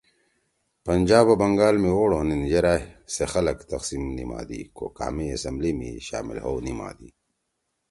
پنجاب او بنگال می ووٹ ہونیِن یِرأ سے خلَگ تقسیم نیِمادِی کو کامے اسمبلی می شامل ہؤ نیِمادِی